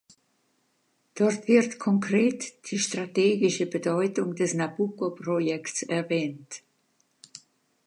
Dort wird konkret die strategische Bedeutung des Nabucco-Projekts erwähnt.